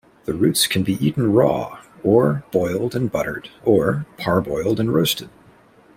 The roots can be eaten raw or boiled and buttered or par-boiled and roasted.